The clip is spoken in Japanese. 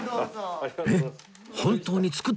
えっ！